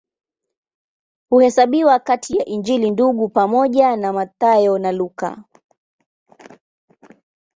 Huhesabiwa kati ya Injili Ndugu pamoja na Mathayo na Luka.